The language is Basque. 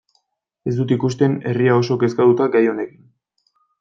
Ez dut ikusten herria oso kezkatuta gai honekin.